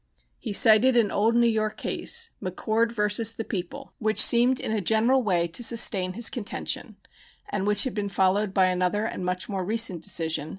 He cited an old New York case, McCord vs. The People, which seemed in a general way to sustain his contention, and which had been followed by another and much more recent decision.